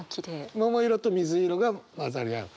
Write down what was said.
桃色と水色が混ざり合う。